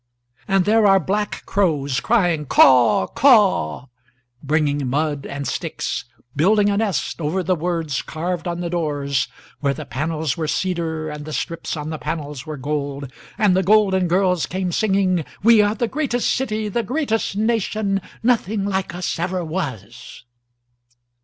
And there are black crowscrying, “Caw, caw,”bringing mud and sticksbuilding a nestover the words carvedon the doors where the panels were cedarand the strips on the panels were goldand the golden girls came singing:We are the greatest city, the greatest nation:nothing like us ever was.